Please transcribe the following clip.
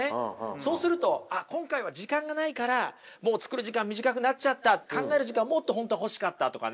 そうするとあっ今回は時間がないからもう作る時間短くなっちゃった考える時間もっと本当は欲しかったとかね。